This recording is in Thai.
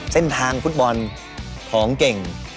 เส้นทางฟุตบอลของเก่ง